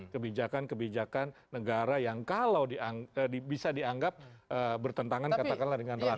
kebijakan kebijakan negara yang kalau bisa dianggap bertentangan katakanlah dengan rakyat